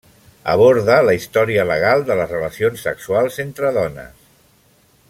Aborda la història legal de les relacions sexuals entre dones.